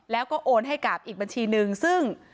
แล้วก็โอนให้กับอีกบัญชีนึงซึ่ง